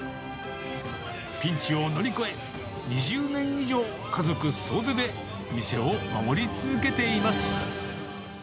ピンチを乗り越え、２０年以上、家族総出で店を守り続けています。